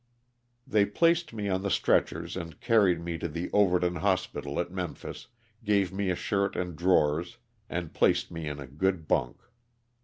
They placed me on the stretchers and carried me to the Overton hospital at Memphis, gave me a shirt and drawers and placed me in a good bunk.